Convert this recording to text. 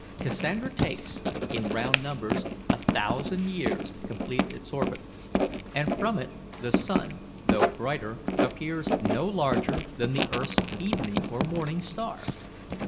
Cassandra takes, in round numbers, a thousand years to complete its orbit, and from it the sun, though brighter, appears no larger than the earth's evening or morning star.